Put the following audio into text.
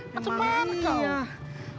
gak semangat kau